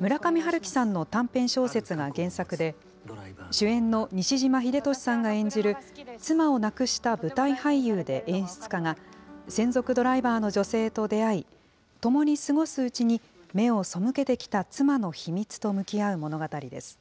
村上春樹さんの短編小説が原作で、主演の西島秀俊さんが演じる妻を亡くした舞台俳優で演出家が、専属ドライバーの女性と出会い、ともに過ごすうちに、目を背けてきた妻の秘密と向き合う物語です。